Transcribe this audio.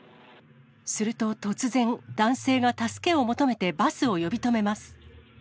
すると突然、男性が助けを求めてバスを呼び止めます。